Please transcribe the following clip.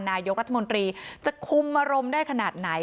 นายกรัฐมนตรีจะคุมอารมณ์ได้ขนาดไหน